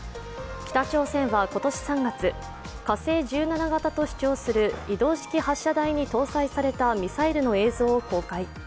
北朝鮮は今年３月、火星１７型と主張する移動式発射台に搭載されたミサイルの映像を公開。